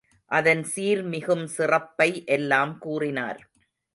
அதன் சீர்மிகும் சிறப்பை எல்லாம் கூறினார்.